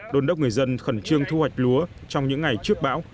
đôn đốc người dân khẩn trương thu hoạch lúa trong những ngày trước bão